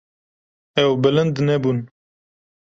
Ew bilind nebûn.